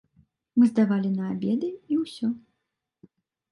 Мы здавалі на абеды, і ўсё.